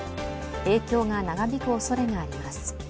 影響が長引くおそれがあります。